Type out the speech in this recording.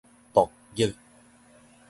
薄玉